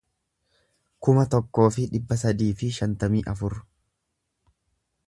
kuma tokkoo fi dhibba sadii fi shantamii afur